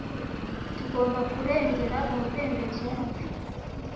Tugomba kurengera umudendezo wacu